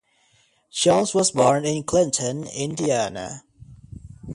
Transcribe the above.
Jones was born in Clinton, Indiana.